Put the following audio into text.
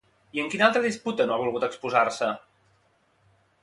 I en quina altra disputa no ha volgut exposar-se?